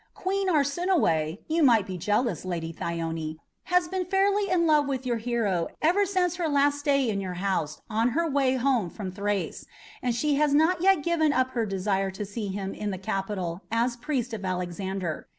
Queen Arsinoe you might be jealous, Lady Thyone has been fairly in love with your hero ever since her last stay in your house on her way home from Thrace, and she has not yet given up her desire to see him in the capital as priest of Alexander.